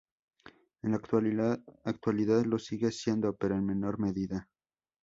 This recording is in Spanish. En la actualidad lo sigue siendo, pero en menor medida.